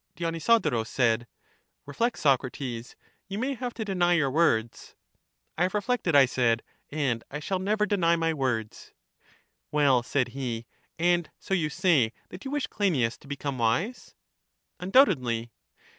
Dionysodorus said : Reflect, Socrates; you may have to deny your words. I have reflected, I said ; and I shall never deny my words. Well, said he, and so you say that you wish Cleinias to become wise? Undoubtedly.